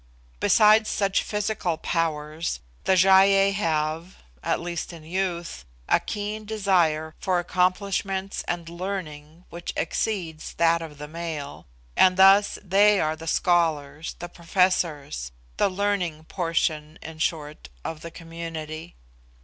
Besides such physical powers, the Gy ei have (at least in youth) a keen desire for accomplishments and learning which exceeds that of the male; and thus they are the scholars, the professors the learned portion, in short, of the community.